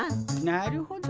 なるほど。